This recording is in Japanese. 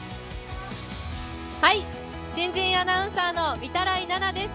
新人アナウンサーの御手洗菜々です。